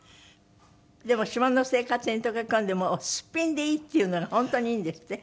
でも島の生活に溶け込んでもうすっぴんでいいっていうのが本当にいいんですって？